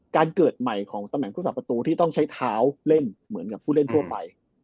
เกิดใหม่ของตำแหน่งผู้สาประตูที่ต้องใช้เท้าเล่นเหมือนกับผู้เล่นทั่วไป